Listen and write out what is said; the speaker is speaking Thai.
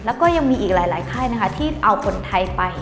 แล้วก็ยังมีอีกหลายค่ายนะคะที่เอาคนไทยไป